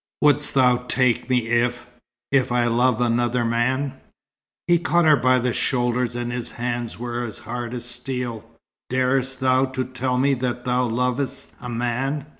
"Wouldst thou take me if if I love another man?" He caught her by the shoulders, and his hands were hard as steel. "Darest thou to tell me that thou lovest a man?"